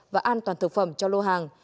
và an toàn thực phẩm cho lô hàng